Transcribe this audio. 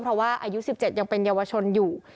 เพราะว่าอายุ๑๗ยังเป็นเยาวชนอยู่